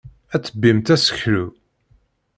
Ad tebbimt aseklu.